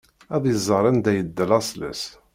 Ad iẓer anda yedda laṣel-is.